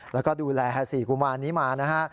แล้วก็ดูแลแฮสี่กุมารนี้มานะฮะ